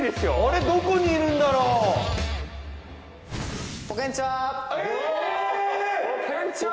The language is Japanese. どこにいるんだろう？えっ！？